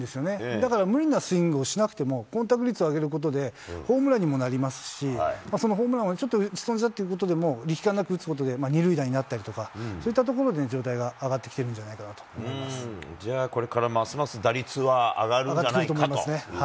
だから無理なスイングをしなくても、率を上げることでホームランにもなりますし、そのホームランはちょっと打ち損じたということでも、力感なく打つことで２塁打になったりとか、そういったところで状態が上がってきてるんじゃないかなと思いまじゃあこれから、ますます打率は上がるんじゃないかと。